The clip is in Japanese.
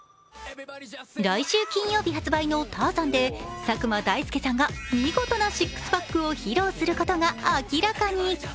来週金曜日発売の「Ｔａｒｚａｎ」で佐久間大介が見事なシックスパックを披露することが明らかに。